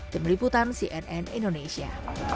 demi liputan cnn indonesia